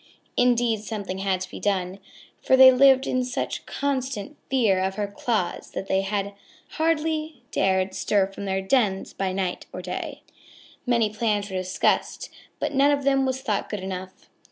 Indeed, something had to be done, for they lived in such constant fear of her claws that they hardly dared stir from their dens by night or day. Many plans were discussed, but none of them was thought good enough.